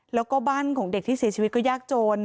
แล้วก็บ้านของเด็กที่เสียชีวิตก็ยากจน